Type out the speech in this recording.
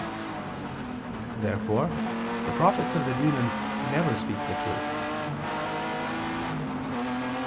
Therefore the prophets of the demons never speak truth.